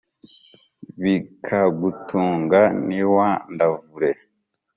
bikagutunga ntiwandavure.